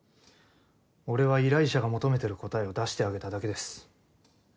俺は依頼者が求めてる答えを出してあげただけです。